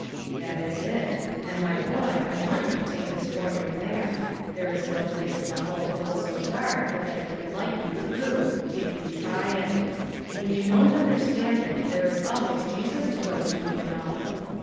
"That is it; and, my boy, I want you to take this for your lamp. There is no place on the whole road so dark but that it can light you through, if you try it. When you don't understand it, there is always Jesus to go to, you know."